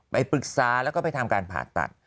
ไปปรึกษาแล้วก็ไปทำการผ่าตัด